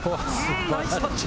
ナイスタッチ！